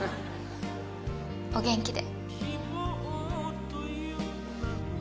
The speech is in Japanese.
お元気で。